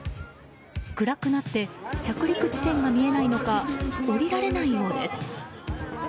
暗くなって着陸地点が見えないのか降りられないようです。